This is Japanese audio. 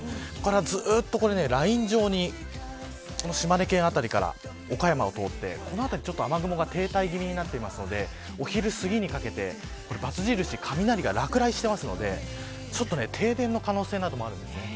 ずっとライン状に島根県辺りから岡山を通って雨雲が停滞気味になっているのでお昼すぎにかけてバツ印、雷が落雷しているので停電の可能性もあります。